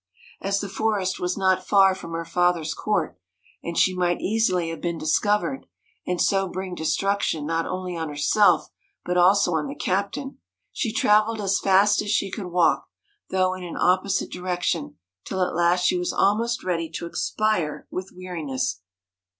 As the forest was not far from her father's court, and she might easily have been discovered and so bring destruction not only on herself but also on the captain, she travelled as fast as she could walk, though in an opposite direction, till at last she was almost ready to expire with weariness.